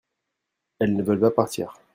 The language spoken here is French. elles ne veulent pas partir.